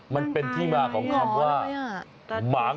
มันเป็นที่มาของคำว่าหมาง